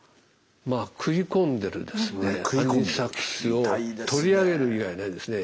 まあ食い込んでるアニサキスを取り上げる以外ないですね。